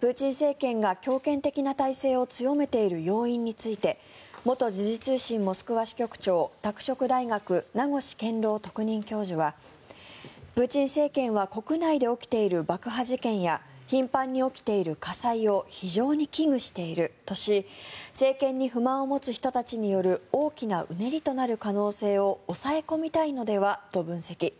プーチン政権が強権的な体制を強めている要因について元時事通信モスクワ支局長拓殖大学、名越健郎特任教授はプーチン政権は国内で起きている爆破事件や頻繁に起きている火災を非常に危惧しているとし政権に不満を持つ人たちによる大きなうねりとなる可能性を抑え込みたいのではと分析。